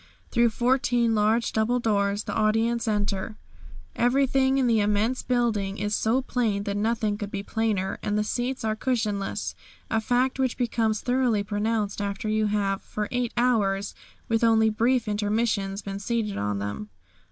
Through fourteen large double doors the audience enter. Everything in the immense building is so plain that nothing could be plainer, and the seats are cushionless, a fact which becomes thoroughly pronounced after you have for eight hours, with only brief intermissions, been seated on them.